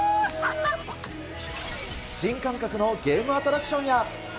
新感覚のゲームアトラクションや。